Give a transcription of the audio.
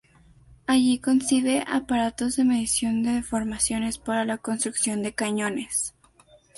Allí concibe aparatos de medición de deformaciones para la construcción de cañones.